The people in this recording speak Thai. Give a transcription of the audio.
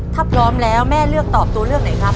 ถ้าพร้อมแล้วแม่เลือกตอบตัวเลือกไหนครับ